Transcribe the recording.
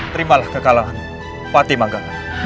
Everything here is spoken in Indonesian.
terimalah kekalahanmu fatih mangga